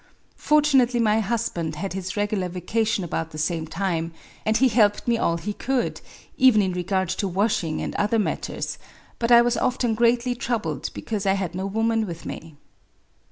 Fortunately my husband had his regular vacation about the same time ; and he helped me all he could, — even in re gard to washing and other matters ; but I was often greatly troubled because I had no woman with me.